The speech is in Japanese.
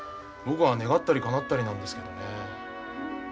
僕は願ったりかなったりなんですけどね。